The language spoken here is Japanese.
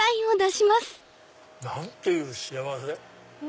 何ていう幸せ。